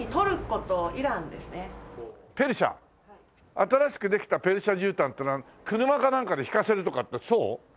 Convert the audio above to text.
新しくできたペルシャじゅうたんっていうのは車かなんかでひかせるとかってそう？